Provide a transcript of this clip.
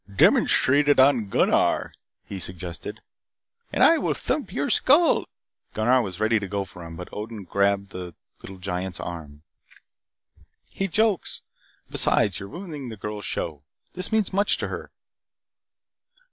"Demonstrate it on Gunnar," he suggested. "And I will thump your skull " Gunnar was ready to go for him, but Odin grabbed the little giant's arm. "He jokes. Besides, you are ruining the girl's show. This means much to her."